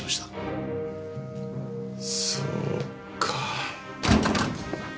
そうか。